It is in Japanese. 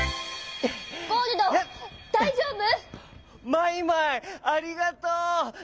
マイマイありがとう！